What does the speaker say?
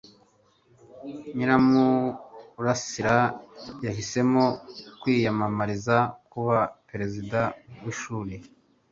Nyiramurasira yahisemo kwiyamamariza kuba perezida w'ishuri.